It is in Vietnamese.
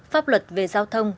pháp luật về giao thông